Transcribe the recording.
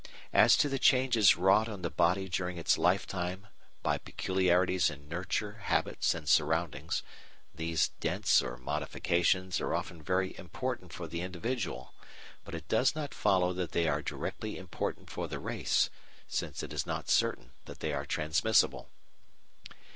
As to the changes wrought on the body during its lifetime by peculiarities in nurture, habits, and surroundings, these dents or modifications are often very important for the individual, but it does not follow that they are directly important for the race, since it is not certain that they are transmissible.